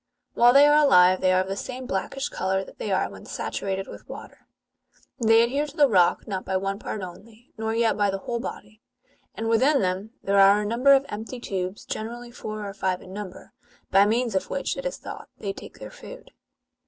While they are alive, they are of the same blackish colour that they are when saturated with water. They adhere to the rock not by one part only, nor yet by the whole body : and within them there are a number of empty tubes, generally four or five in number, by means of which, it is thought, they take their food.